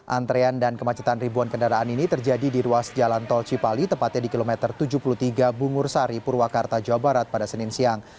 antrean dan kemacetan ribuan kendaraan ini terjadi di ruas jalan tol cipali tepatnya di kilometer tujuh puluh tiga bungur sari purwakarta jawa barat pada senin siang